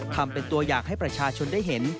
ทำเป็นตัวอย่างให้ประชาชนได้เห็น